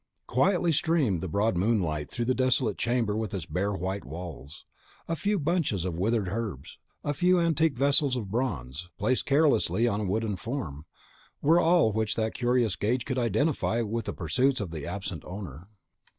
Quietly streamed the broad moonlight through the desolate chamber with its bare, white walls. A few bunches of withered herbs, a few antique vessels of bronze, placed carelessly on a wooden form, were all which that curious gaze could identify with the pursuits of the absent owner.